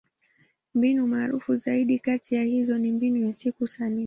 Mbinu maarufu zaidi kati ya hizo ni Mbinu ya Siku Sanifu.